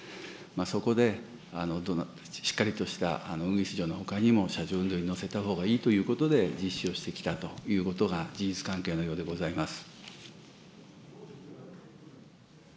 そこで、しっかりとしたのほかにも車上運動員乗せたほうがいいということで、実施をしてきたということが、事実関係のようでございます。